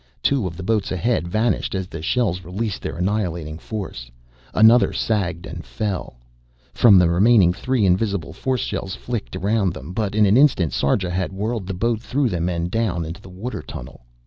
Two of the boats ahead vanished as the shells released their annihilating force, another sagged and fell. From the remaining three invisible force shells flicked around them, but in an instant Sarja had whirled the boat through them and down into the water tunnel!